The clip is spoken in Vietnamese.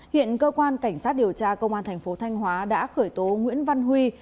hiện cơ quan cảnh sát điều tra công an thành phố thanh hóa đã khởi tố nguyễn văn huy